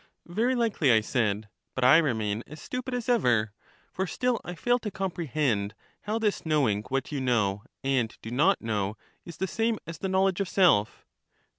Very likely, I said; but I remain as stupid as ever; for still I fail to comprehend how this knowing what you know and do not know is the same as the knowl edge of self.